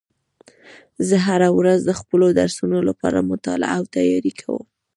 زه هره ورځ د خپلو درسونو لپاره مطالعه او تیاری کوم